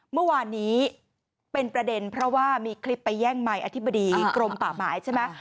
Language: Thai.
เมื่อวานนี้เป็นประเด็นเพราะว่ามีคลิปไปแย่งไมค์อธิบดีกรมป่าไม้ใช่ไหม